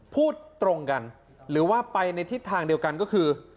พูดตรงกันหรือว่าไปในทิศทางเดียวกันก็คือ